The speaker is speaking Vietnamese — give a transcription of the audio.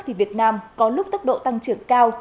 thì việt nam có lúc tốc độ tăng trưởng cao